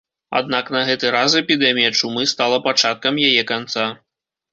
Аднак на гэты раз эпідэмія чумы стала пачаткам яе канца.